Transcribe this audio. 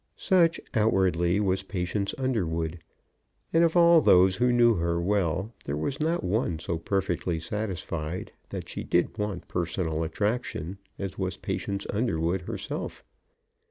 Such, outwardly, was Patience Underwood; and of all those who knew her well there was not one so perfectly satisfied that she did want personal attraction as was Patience Underwood herself.